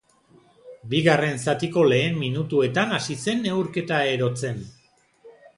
Bigarren zatiko lehen minutuetan hasi zen neurketa erotzen.